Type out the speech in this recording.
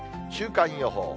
週間予報。